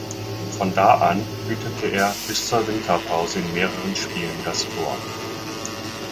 Von da an hütete er bis zur Winterpause in mehreren Spielen das Tor.